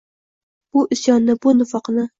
«Bu isyonni, bu nifoqni